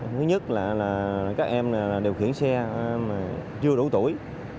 thứ nhất là các em điều khiển xe mà chưa đủ tuổi